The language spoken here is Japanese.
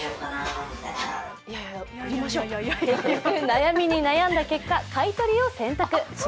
悩みに悩んだ結果、買い取りを選択。